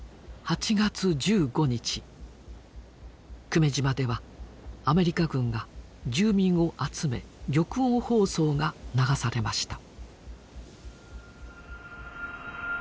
久米島ではアメリカ軍が住民を集め玉音放送が流されました。